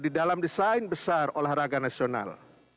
di dalam desain besar olahraga nasional